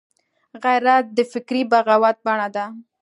غیرت د فکري بغاوت بڼه ده